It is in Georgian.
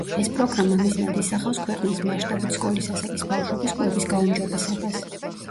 ეს პროგრამა მიზნად ისახავს ქვეყნის მასშტაბით სკოლის ასაკის ბავშვების კვების გაუმჯობესებას.